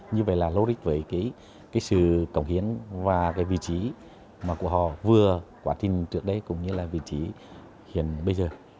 như vậy là lo rích với cái sự cống hiến và cái vị trí mà của họ vừa quá trình trước đây cũng như là vị trí hiện bây giờ